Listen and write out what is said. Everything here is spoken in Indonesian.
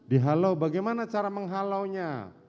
dihalau bagaimana cara menghalaunya